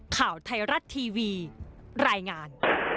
ข่าวไทยรัฐทีวีรายงาน